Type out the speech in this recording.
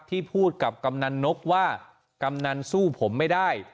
ที่พูดกับกำนันนกว่ากำนันสู้ผมไม่ได้